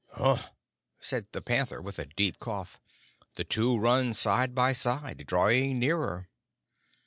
"Um!" said the panther, with a deep cough. "The two run side by side, drawing nearer!"